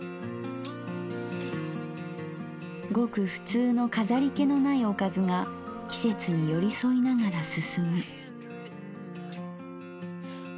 ごく普通の飾り気のないおかずが季節に寄り添いながら進む。